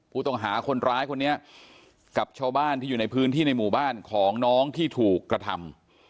ผู้ต้องหาคนร้ายคนนี้กับชาวบ้านที่อยู่ในพื้นที่ในหมู่บ้านของน้องที่ถูกกระทำ